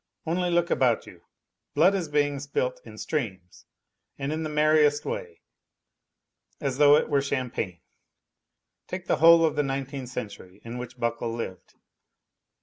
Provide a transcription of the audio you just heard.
Only look about you : blood is being spilt in streams, and in the merriest way, as though it were champagne. Take the whole of the nineteenth century in which Buckle lived.